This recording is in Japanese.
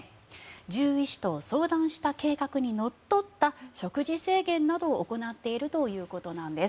獣医師と相談した計画にのっとった食事制限などを行っているということなんです。